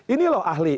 ini loh ahli